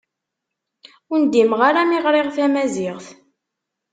Ur ndimeɣ ara mi ɣriɣ tamaziɣt.